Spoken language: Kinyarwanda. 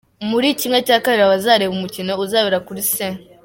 Muri ½ abazareba umukino uzabera kuri St.